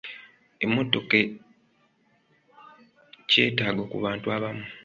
Emmotoka kyetaago ku bantu abamu.